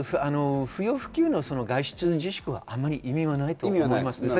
不要不急の外出自粛はあまり意味がないと思います。